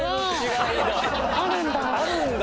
あるんだ。